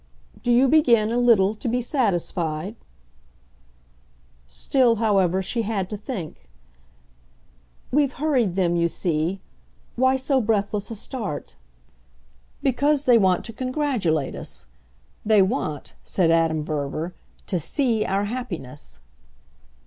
"Do you begin, a little, to be satisfied?" Still, however, she had to think. "We've hurried them, you see. Why so breathless a start?" "Because they want to congratulate us. They want," said Adam Verver, "to SEE our happiness."